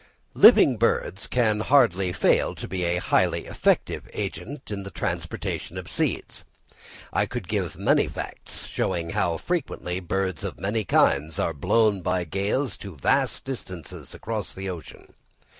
Living birds can hardly fail to be highly effective agents in the transportation of seeds. I could give many facts showing how frequently birds of many kinds are blown by gales to vast distances across the ocean.